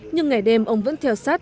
nhưng ngày đêm ông vẫn theo sát